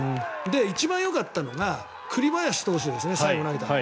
一番よかったのが栗林投手ですね、最後に投げた。